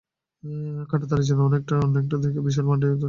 কাঁটাতারের অন্য একটা দিকে বিশাল মাঠ নিয়ে দাঁড়িয়ে আছে কৈলা শহরের গণগ্রন্থাগার।